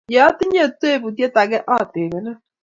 Ye atinye teputyet ake atebenin